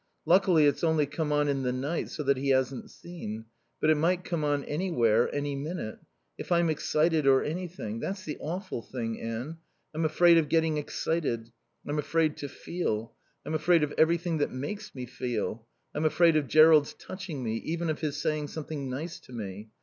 Luckily it's only come on in the night, so that he hasn't seen. But it might come on anywhere, any minute. If I'm excited or anything ... That's the awful thing, Anne; I'm afraid of getting excited. I'm afraid to feel. I'm afraid of everything that makes me feel. I'm afraid of Jerrold's touching me, even of his saying something nice to me.